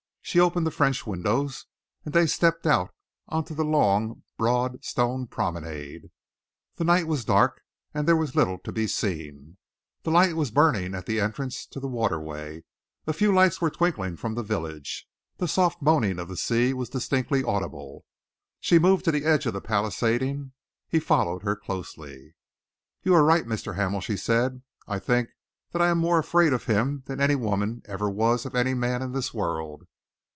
She opened the French windows, and they stepped out on to the long, broad stone promenade. The night was dark, and there was little to be seen. The light was burning at the entrance to the waterway; a few lights were twinkling from the village. The soft moaning of the sea was distinctly audible. She moved to the edge of the palisading. He followed her closely. "You are right, Mr. Hamel," she said. "I think that I am more afraid of him than any woman ever was of any man in this world."